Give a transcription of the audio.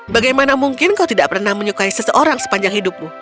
bagaimana mungkin kau tidak pernah menyukai seseorang sepanjang hidupmu